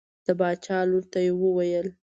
د باچا لور ته یې وویل.